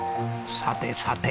さてさて。